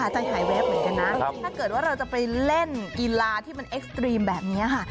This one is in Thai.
ถ้าเกิดว่าเราจะไปเล่นอีลาที่มันเอ็กส์ตรีมแบบนี้ค่ะ